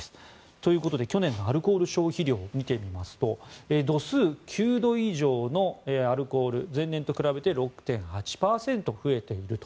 ということで去年のアルコール消費量を見てみますと度数９度以上のアルコール前年と比べて６．８％増えていると。